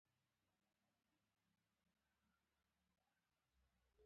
_په دفاع کې ولاړ هلک، هغه چې لوړه ونه لري.